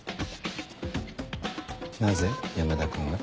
なぜ山田君が？